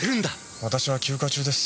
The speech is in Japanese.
私は休暇中です。